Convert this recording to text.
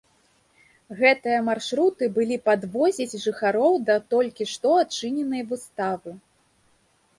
Гэтыя маршруты былі падвозіць жыхароў да толькі што адчыненай выставы.